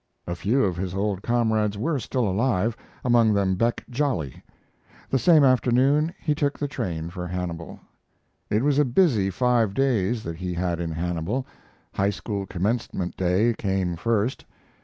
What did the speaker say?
A few of his old comrades were still alive, among them Beck Jolly. The same afternoon he took the train for Hannibal. It was a busy five days that he had in Hannibal. High school commencement day came first.